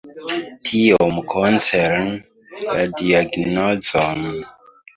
Tiom koncerne la diagnozon.